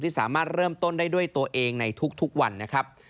สามารถเริ่มต้นได้ด้วยตัวเองในทุกวันนะครับ